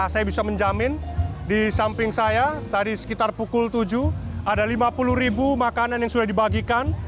saya bisa menjamin di samping saya tadi sekitar pukul tujuh ada lima puluh ribu makanan yang sudah dibagikan